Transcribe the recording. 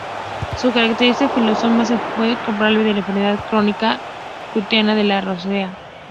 Su característica fisonomía se debe probablemente a la enfermedad crónica cutánea de la rosácea.